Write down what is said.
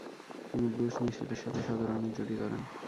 তিনি ব্রুস মিচেলের সাথে শতরানের জুটি গড়েন।